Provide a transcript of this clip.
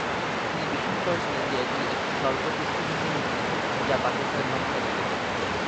তিনি বিশ্বাস করেছিলেন যে এটি একটি "স্বল্প দৃষ্টিভঙ্গি নীতি" যা পাকিস্তানের "ধ্বংস" এনে দেবে।